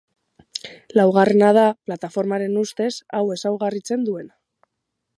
Laugarrena da, Plataformaren ustez, hau ezaugarritzen duena.